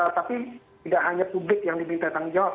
tapi tidak hanya publik yang diminta tanggung jawab